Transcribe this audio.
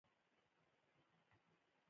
ما ورته ویلي وو چې له دې ځایه دې نه خوځي